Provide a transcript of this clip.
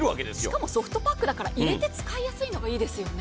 しかもソフトパックだから、入れて使いやすいのがいいですよね。